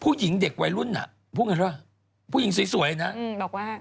ผู้หญิงเด็กวัยรุ่นอ่ะพูดไงครับผู้หญิงสวยนะ